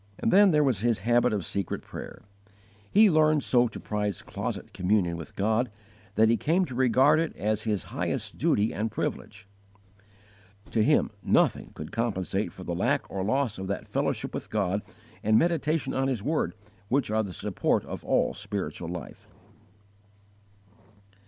His habit of secret prayer. He learned so to prize closet communion with God that he came to regard it as his highest duty and privilege. To him nothing could compensate for the lack or loss of that fellowship with God and meditation on His word which are the support of all spiritual life.